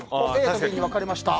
ＡとＢに分かれました。